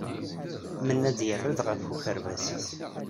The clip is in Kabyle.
Mennad yerra-d ɣef ukerbas-is.